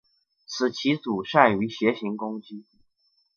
此棋组善于斜行攻击。